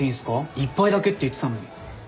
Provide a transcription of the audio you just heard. １杯だけって言ってたのに。